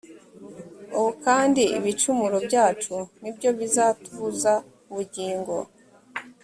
ubu kandi ibicumuro byacu ni byo bizatubuza ubugingo